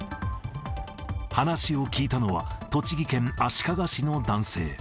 話を聞いたのは、栃木県足利市の男性。